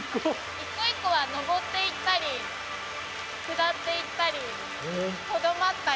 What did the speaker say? １個１個が上っていったり下っていったりとどまったり。